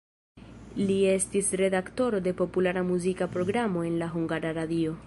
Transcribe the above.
Li estis redaktoro de populara muzika programo en la Hungara Radio.